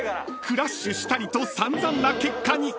［クラッシュしたりと散々な結果に］